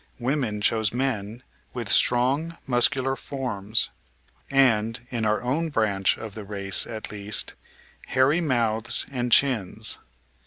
Women chose men with strong muscular forms and, in our own branch of the race at least, hairy mouths and chins.